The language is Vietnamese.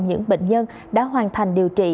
những bệnh nhân đã hoàn thành điều trị